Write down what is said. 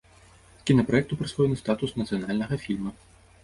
Кінапраекту прысвоены статус нацыянальнага фільма.